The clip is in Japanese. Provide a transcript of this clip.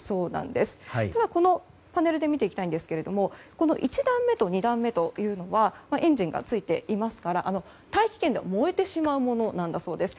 では、このパネルで見ていきたいんですけども１段目と２段目というのはエンジンがついていますから大気圏では燃えてしまうものだそうです。